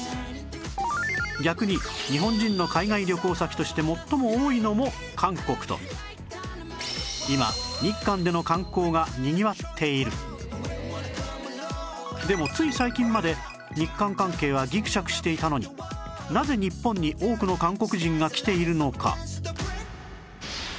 逆に日本人の海外旅行先として最も多いのも韓国と今でもつい最近まで日韓関係はギクシャクしていたのになぜ日本に多くの韓国人が来ているのか？